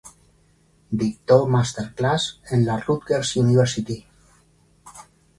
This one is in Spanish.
Dictó Master Class en la Rutgers University.